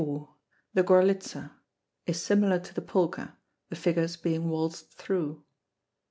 The Gorlitza is similar to the polka, the figures being waltzed through.